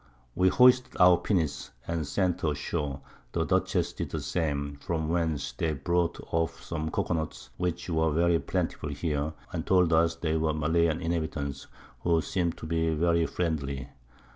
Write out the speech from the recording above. We hoisted out our Pinnace, and sent her ashore, the Dutchess did the same; from whence they brought off some Cocoa Nuts, which were very plentiful here, and told us there were Malayan Inhabitants, who seem'd to be very friendly.